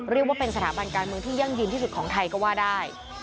เรียกว่าเป็นสถาบันการเมืองที่ยั่งยืนที่สุดของไทยก็ว่าได้